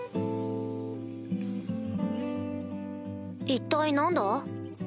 一体何だ？